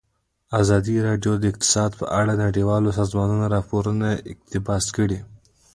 ازادي راډیو د اقتصاد په اړه د نړیوالو سازمانونو راپورونه اقتباس کړي.